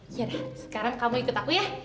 iya dah sekarang kamu ikut aku ya